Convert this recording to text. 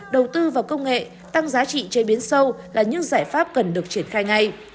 đầu tư vào công nghệ tăng giá trị chế biến sâu là những giải pháp cần được triển khai ngay